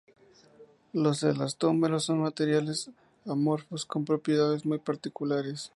Los elastómeros son materiales amorfos con propiedades muy particulares.